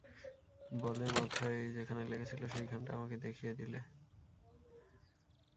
বলে মাথায় যেখানে লেগেছিল সেইখানটা আমাকে দেখিয়ে দিলে।